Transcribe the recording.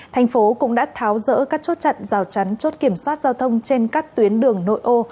thành phố cũng đã tháo rỡ các chốt chặn rào chắn chốt kiểm soát giao thông trên các tuyến đường nội ô